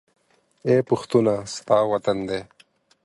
اې پښتونه! ستا وطن دى